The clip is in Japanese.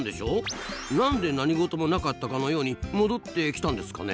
何で何事もなかったかのように戻ってきたんですかね？